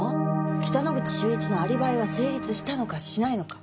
北之口秀一のアリバイは成立したのかしないのか。